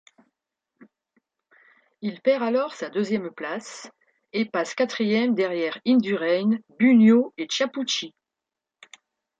Il perd alors sa deuxième place et passe quatrième derrière Indurain, Bugno et Chiappucci.